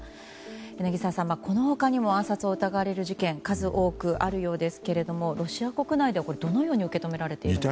柳澤さん、この他にも暗殺が疑われる事件数多くあるようですけどもロシア国内でこれはどのように受け止められているんでしょう。